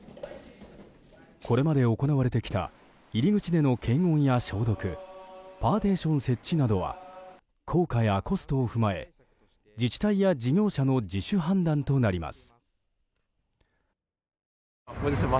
これまで行われてきた入り口での検温や消毒パーティション設置などは効果やコストを踏まえ自治体や事業者の自主判断となります。